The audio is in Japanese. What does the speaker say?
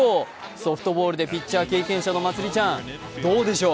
ソフトボールでピッチャー経験者のまつりちゃん、どうでしょう？